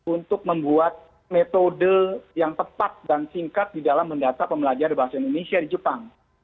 untuk membuat metode yang tepat dan singkat di dalam mendata pembelajar bahasa indonesia di jepang